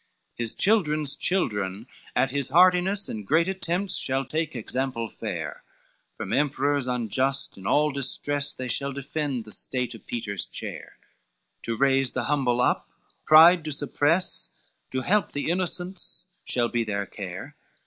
LXXVI "His children's children at his hardiness And great attempts shall take example fair, From emperors unjust in all distress They shall defend the state of Peter's chair, To raise the humble up, pride to suppress, To help the innocents shall be their care.